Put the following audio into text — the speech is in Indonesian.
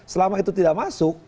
selama itu tidak masuk